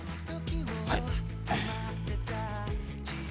はい。